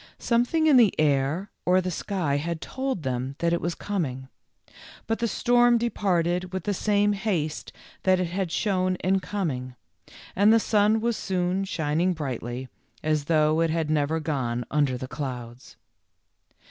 Something in the air or the sky had told them that it was coming. But the storm departed with the same haste that it had shown in coming, and the sun was soon shin ing brightly, as though it had never gone under the clouds.